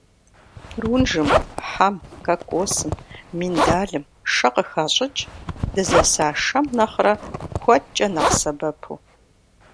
Прунжым, хьэм, кокосым, миндалым шэ къыхащӀыкӀ, дызэса шэм нэхърэ куэдкӀэ нэхъ сэбэпу.